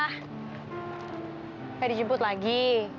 nggak dijemput lagi